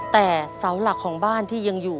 แต่เสาหลักของบ้านที่ยังอยู่